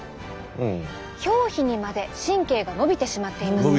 表皮にまで神経が伸びてしまっています。